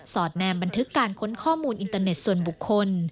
อดแนมบันทึกการค้นข้อมูลอินเตอร์เน็ตส่วนบุคคล